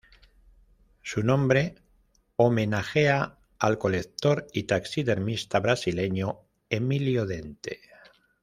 Su nombre homenajea al colector y taxidermista brasileño Emilio Dente.